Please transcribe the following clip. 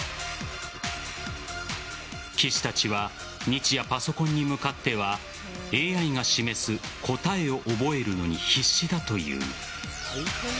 棋士たちは日夜、パソコンに向かってはＡＩが示す答えを覚えるのに必死だという。